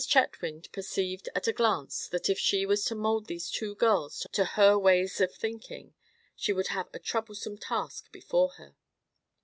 Chetwynd perceived at a glance that if she was to mold these two girls to her ways of thinking, she would have a troublesome task before her.